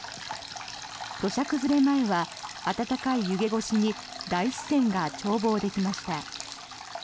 土砂崩れ前は温かい湯気越しに大自然が眺望できました。